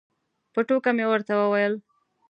په ټوکه مې ورته وویل.